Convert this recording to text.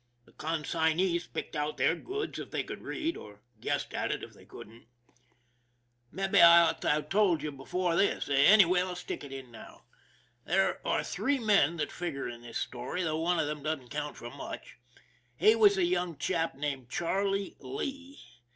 The consignees picked out their goods if they could read, or guessed at it if they couldn't. THE MAN WHO DIDN'T COUNT 239 Maybe I ought to have told you this before; any way, I'll stick it in now. There are three men that figure in this story, though one of them doesn't count for much. He was a young chap named Charlie Lee.